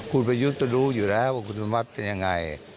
คุณประยุทธ์จะรู้อยู่แล้วว่าคุณนัทสมบัติเป็นอย่างไร